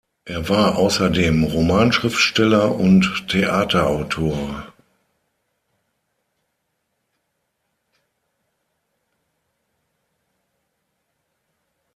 Er war außerdem Romanschriftsteller und Theaterautor.